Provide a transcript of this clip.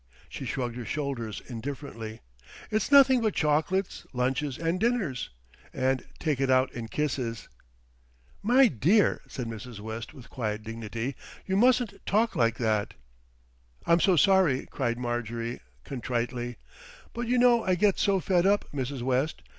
She shrugged her shoulders indifferently. "It's nothing but chocolates, lunches and dinners, and take it out in kisses." "My dear," said Mrs. West with quiet dignity, "you mustn't talk like that." "I'm so sorry," cried Marjorie contritely; "but you know I get so fed up, Mrs. West.